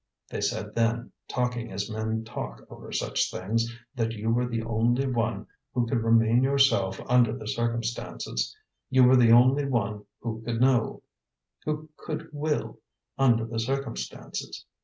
They said then, talking as men talk over such things, that you were the only one who could remain yourself under the circumstances; you were the only one who could know, who could will, under the circumstances.